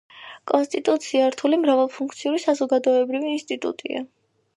კონსტიტუცია რთული მრავალფუნქციური საზოგადოებრივი ინსტიტუტია.